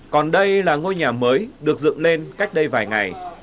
còn đây là ngôi nhà mới được dựng lên cách đây vài ngày